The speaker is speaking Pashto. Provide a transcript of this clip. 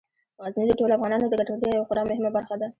غزني د ټولو افغانانو د ګټورتیا یوه خورا مهمه برخه ده.